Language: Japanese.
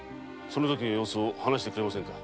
その様子を話してくれませんか。